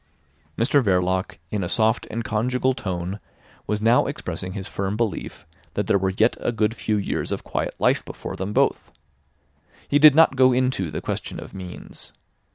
Mr Verloc, in a soft and conjugal tone, was now expressing his firm belief that there were yet a good few years of quiet life before them both. He did not go into the question of means.